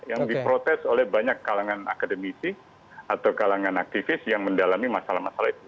yang diprotes oleh banyak kalangan akademisi atau kalangan aktivis yang mendalami masalah masalah itu